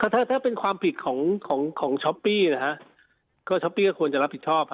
ถ้าถ้าเป็นความผิดของของช้อปปี้นะฮะก็ช้อปปี้ก็ควรจะรับผิดชอบ